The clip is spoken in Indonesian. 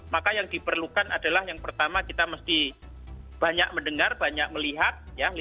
maka yang diperlukan adalah yang pertama kita mesti banyak mendengar banyak melihat